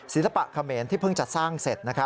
ศิษย์ภักดิ์เขมรที่เพิ่งจัดสร้างเสร็จ